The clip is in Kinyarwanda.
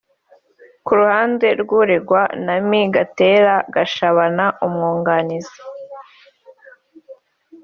Ku ruhande rw’uregwa na Me Gatera Gashabana umwunganira